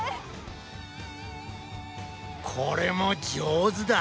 これも上手だ！